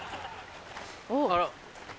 あら。